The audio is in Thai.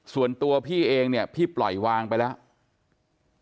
ส่วนตัวพี่เองเนี่ยพี่ปล่อยวางไปแล้ว